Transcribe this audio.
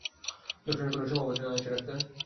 ধর্ষণের কোনো সম্ভাবনা আছে, ডাক্তার?